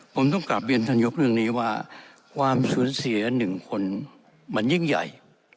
ผมต้องกลับเรียนท่านยกเรื่องนี้ว่าความสูญเสียหนึ่งคนมันยิ่งใหญ่